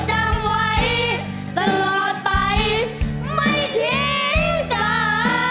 จำไว้ตลอดไปไม่ทิ้งเธอ